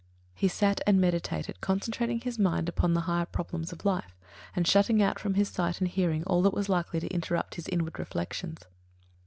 He sat and meditated, concentrating his mind upon the higher problems of life, and shutting out from his sight and hearing all that was likely to interrupt his inward reflections.